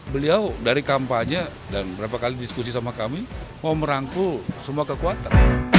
beliau dari kampanye dan berapa kali diskusi sama kami mau merangkul semua kekuatan